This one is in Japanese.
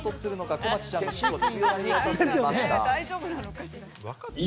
こまちちゃんの飼育員さんに聞いてみると。